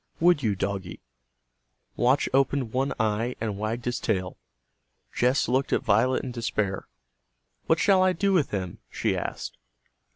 "Would you, doggie?" Watch opened one eye and wagged his tail. Jess looked at Violet in despair. "What shall I do with him?" she asked.